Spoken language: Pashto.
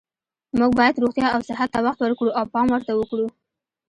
موږ باید روغتیا او صحت ته وخت ورکړو او پام ورته کړو